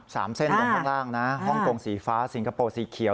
สามเส้นตรงข้างล่างนะฮ่องกงสีฟ้าสิงคโปร์สีเขียว